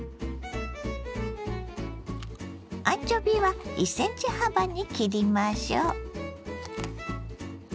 アンチョビは１ｃｍ幅に切りましょ。